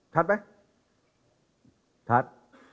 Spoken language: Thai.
ชัดไหมชัด